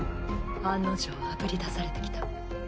案の定あぶり出されてきた。